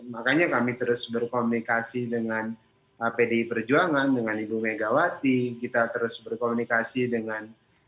makanya kami terus berkomunikasi dengan dpr perjuangan dengan ibunegawati kita terus berkomunikasi dengan